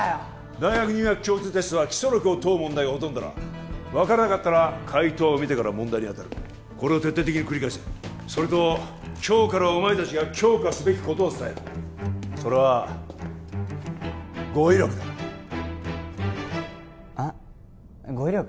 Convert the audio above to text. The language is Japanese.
大学入学共通テストは基礎力を問う問題がほとんどだ分からなかったら解答を見てから問題に当たるこれを徹底的に繰り返せそれと今日からお前達が強化すべきことを伝えるそれは語彙力だあっ語彙力？